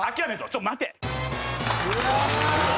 ちょっ待て。